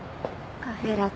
カフェラテ？